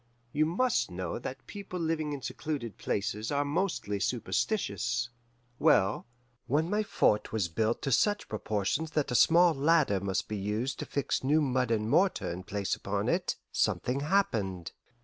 You must know that people living in secluded places are mostly superstitious. Well, when my fort was built to such proportions that a small ladder must be used to fix new mud and mortar in place upon it, something happened.